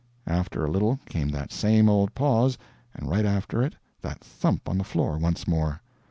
After a little came that same old pause, and right after it that thump on the floor once more.